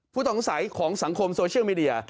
ผู้ต้องสัยของสังคมโซเชียลมีเดีย